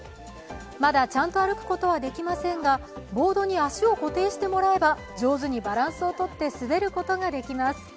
まだちゃんと歩くことはできませんがボードに足を固定してもらえば上手にバランスをとって滑ることができます。